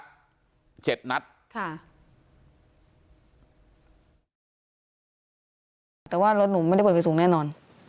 แต่ว่ารถหนูไม่ได้เปิดไฟสูงแน่นอน